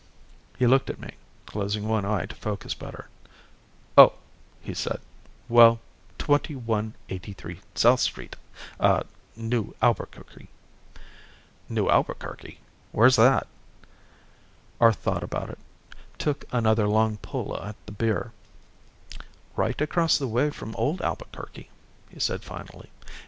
He looked at me, closing one eye to focus better. "Oh," he said. "Well, 2183 South Street, ah, New Albuquerque." "New Albuquerque? Where's that?" Arth thought about it. Took another long pull at the beer. "Right across the way from old Albuquerque," he said finally.